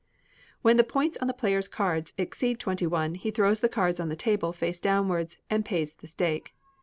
When the points on the player's cards exceed twenty one, he throws the cards on the table, face downwards, and pays the stake.